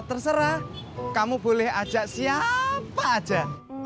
terserah kamu boleh ajak siapa aja